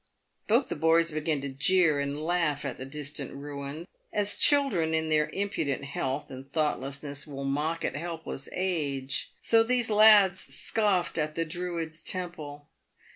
Both the boys began to jeer and laugh at the distant ruins. As children in their impudent health and thoughtlessness will mock at helpless age, so these lads scoffed at the Druids' temple.